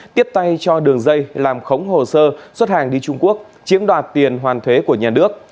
tiếp tay cho đường dây làm khống hồ sơ xuất hàng đi trung quốc chiếm đoạt tiền hoàn thuế của nhà nước